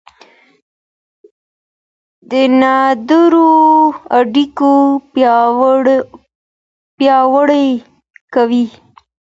درناوی اړيکې پياوړې کوي.